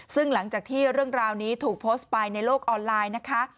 ซึ่งหลังจากที่เรื่องราวนี้ถูกโพสต์ไปในโลกออนไลน์นะคะ